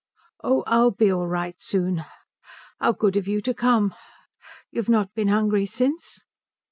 "Oh I'll be all right soon. How good of you to come. You've not been hungry since?"